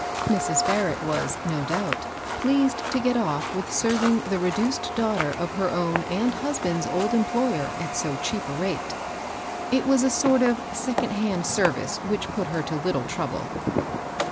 Mrs. Barrett was, no doubt, pleased to get off with serving the reduced ARISTOCRACY. 809 daughter of her own and husband's old employer at so cheap a rate. It was a sort of second hand service which put her to little trouble.